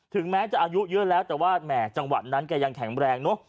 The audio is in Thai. ถึงแม้จะอายุเยอะแล้วแต่ว่าแหม่จังหวัดนั้นแกยังแข็งแรงเนอะ